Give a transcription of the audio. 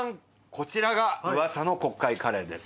こちらが噂の国会カレーです。